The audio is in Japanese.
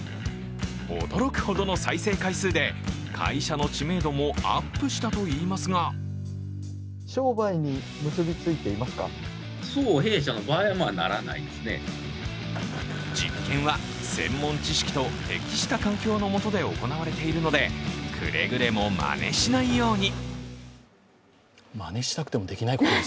驚くほどの再生回数で会社の知名度もアップしたといいますが実験は専門知識と適した環境の下で行われているのでくれぐれも、まねしないように。